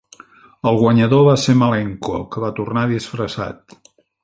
El guanyador va ser Malenko, que va tornar disfressat.